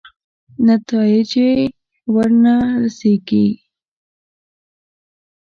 نتایجې ورنه رسېږي.